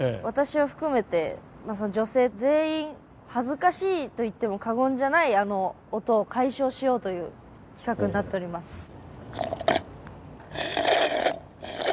私を含めて女性全員恥ずかしいと言っても過言じゃないあの音を解消しようという企画になっております。